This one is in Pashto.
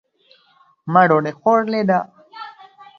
ما ډوډۍ خوړلې ده